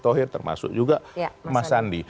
thohir termasuk juga mas sandi